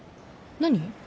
何？